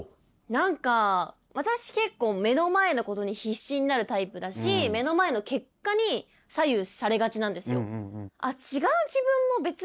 何か私結構目の前のことに必死になるタイプだし目の前の結果に左右されがちなんですよ。